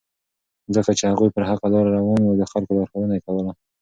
ځکه چې هغوی پر حقه لاره روان وو او د خلکو لارښوونه یې کوله.